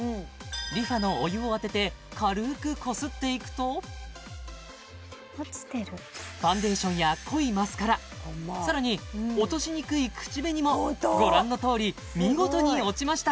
ＲｅＦａのお湯を当てて軽くこすっていくとファンデーションや濃いマスカラさらに落としにくい口紅もご覧のとおり見事に落ちました